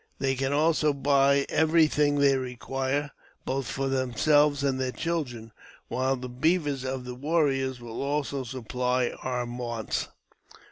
They can also buy everything they require, both for themselves and their children, while the beavers of the warriors will also supply our wants.